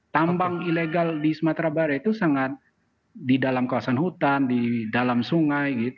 tambang ilegal di sumatera barat itu sangat di dalam kawasan hutan di dalam sungai